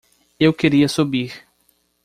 Eu queria subir.